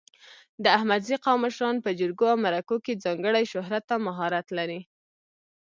د احمدزي قوم مشران په جرګو او مرکو کې ځانګړی شهرت او مهارت لري.